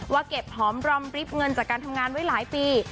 เก็บหอมรอมริบเงินจากการทำงานไว้หลายปี